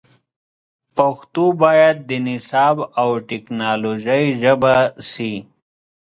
پښتو باید د نصاب او ټکنالوژۍ ژبه سي